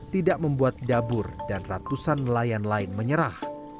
tidak membuat dabur dan ratusan nelayan lain menyerah